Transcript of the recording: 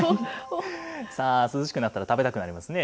さあ、涼しくなったら食べたくなりますね。